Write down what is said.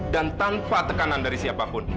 dan tanpa tekanan dari siapapun